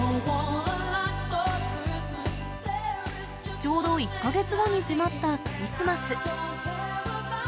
ちょうど１か月後に迫ったクリスマス。